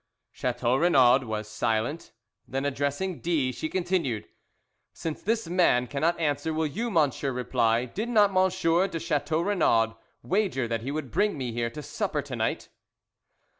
Chateau Renaud was silent. Then addressing D , she continued. "Since this man cannot answer, will you, monsieur, reply. Did not M. de Chateau Renaud wager that he would bring me here to supper to night?"